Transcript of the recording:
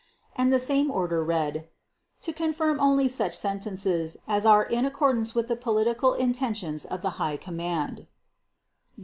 And the same order read: "To confirm only such sentences as are in accordance with the political intentions of the High Command."